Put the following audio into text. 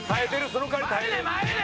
その代わり耐える。